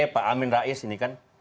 pak amin rais ini kan